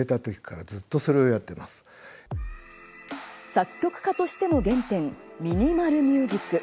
作曲家としての原点ミニマル・ミュージック。